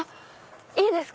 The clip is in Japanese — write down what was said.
いいですか！